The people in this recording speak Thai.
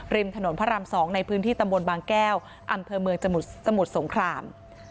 ถนนพระราม๒ในพื้นที่ตำบลบางแก้วอำเภอเมืองสมุทรสงคราม